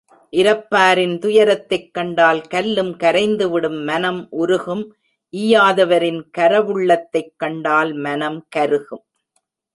இரப்பாரின் துயரத்தைக் கண்டால் கல்லும் கரைந்து விடும் மனம் உருகும் ஈயாதவரின் கரவுள்ளத்தைக் கண்டால் மனம் கருகும்.